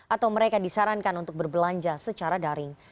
atau mereka disarankan untuk berbelanja secara daring